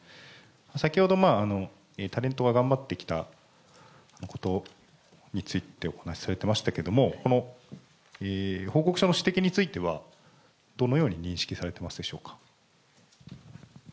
先ほどまあ、タレントは頑張ってきたことについてお話されてましたけれども、報告書の指摘については、どのように認識されていますでしょうか。